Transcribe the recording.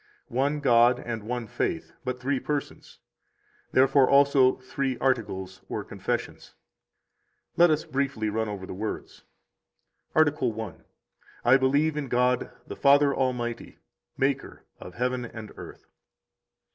One God and one faith, but three persons, therefore also three articles or confessions. 8 Let us briefly run over the words. Article I. 9 I believe in God the Father Almighty, Maker of heaven and earth.